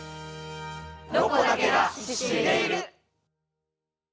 「ロコだけが知っている」。